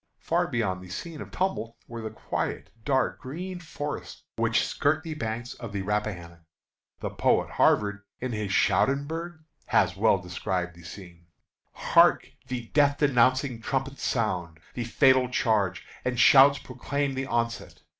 Far beyond the scene of tumult were the quiet, dark green forests which skirt the banks of the Rappahannock. The poet Havard, in his "Scauderberg," has well described the scene: "Hark! the death denouncing trumpet sounds. The fatal charge, and shouts proclaim the onset.